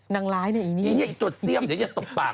นางร้ายเนี่ยไอ้นี่ไอ้ตัวเซียมอย่าอย่าตกปาก